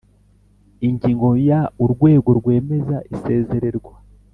Ingingo ya Urwego rwemeza isezererwa